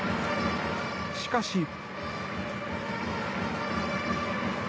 しかし。